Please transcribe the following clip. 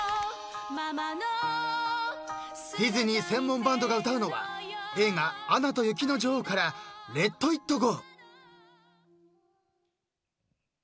［ディズニー専門バンドが歌うのは映画『アナと雪の女王』から］１２。